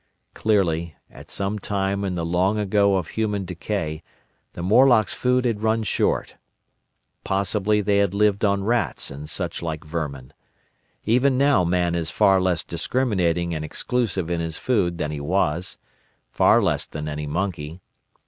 Clearly, at some time in the Long Ago of human decay the Morlocks' food had run short. Possibly they had lived on rats and such like vermin. Even now man is far less discriminating and exclusive in his food than he was—far less than any monkey.